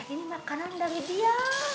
ini makanan dari dia